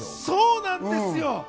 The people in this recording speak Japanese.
そうなんです。